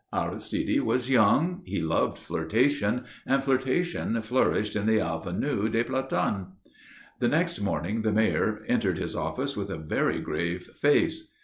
Aristide was young, he loved flirtation, and flirtation flourished in the Avenue des Plantanes. The next morning the Mayor entered his office with a very grave face.